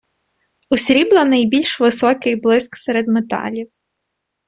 У срібла найбільш високий блиск серед металів